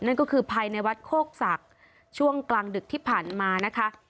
นั่นก็คือภายในวัดโคกศักดิ์ช่วงกลางดึกที่ผ่านมานะคะ